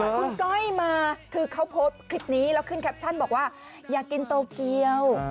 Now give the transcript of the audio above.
คุณก้อยมาคือเขาโพสต์คลิปนี้แล้วขึ้นแคปชั่นบอกว่าอยากกินโตเกียว